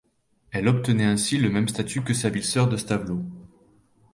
Elle obtenait ainsi le même statut que sa ville sœur de Stavelot.